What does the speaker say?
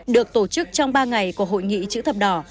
được tổ chức trong ba ngày của hội nghị chữ thập đỏ